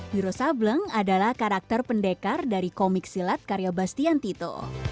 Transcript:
biro sableng adalah karakter pendekar dari komik silat karya bastian tito